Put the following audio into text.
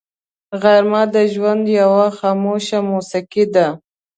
غرمه د ژوند یوه خاموش موسیقي ده